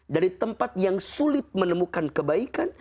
dari tempat yang sulit menemukan kebaikan